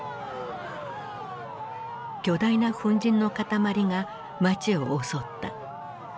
巨大な粉じんの塊が街を襲った。